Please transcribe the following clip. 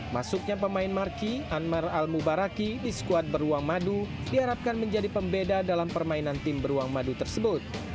masuknya pemain marki anmar al mubaraki di skuad beruang madu diharapkan menjadi pembeda dalam permainan tim beruang madu tersebut